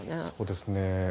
そうですね